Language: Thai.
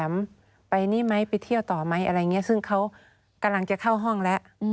ไปนี่ไหมไปเที่ยวต่อไหมอะไรอย่างนี้ซึ่งเขากำลังจะเข้าห้องแล้ว